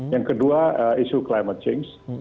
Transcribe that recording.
yang kedua isu climate change